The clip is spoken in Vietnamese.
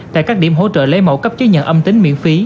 tại các điểm hỗ trợ lấy mẫu cấp chứng nhận âm tính miễn phí